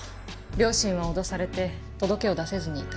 両親は脅されて届けを出せずにいた。